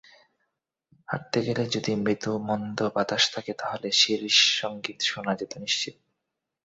হাঁটতে গেলে যদি মৃদুমন্দ বাতাস থাকে তাহলে শিরীষসংগীত শোনা যেত নিশ্চিত।